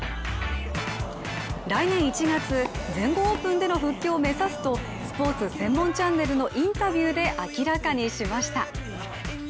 来年１月、全豪オープンでの復帰を目指すとスポーツ専門チャンネルのインタビューで明らかにしました。